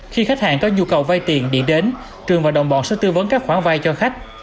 khi khách hàng có nhu cầu vay tiền điện đến trường và đồng bọn sẽ tư vấn các khoản vay cho khách